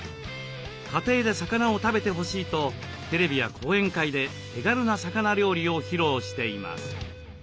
家庭で魚を食べてほしいとテレビや講演会で手軽な魚料理を披露しています。